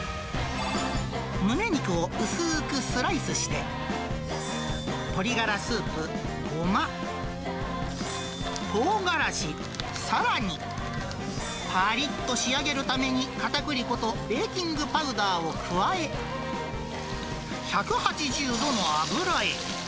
ムネ肉を薄ーくスライスして、鶏ガラスープ、ゴマ、トウガラシ、さらに、ぱりっと仕上げるために、かたくり粉とベーキングパウダーを加え、１８０度の油へ。